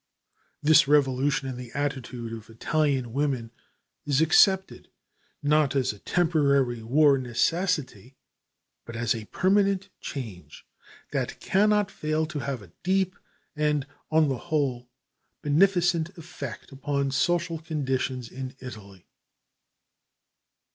This revolution in the attitude of Italian women is accepted, not as a temporary war necessity, but as a permanent change that cannot fail to have a deep and, on the whole, beneficent effect upon social conditions in Italy.